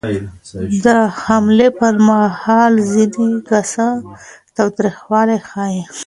د حملې پر مهال ځینې کسان تاوتریخوالی ښيي.